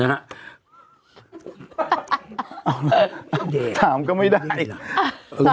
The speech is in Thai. เอาละถามก็ไม่ได้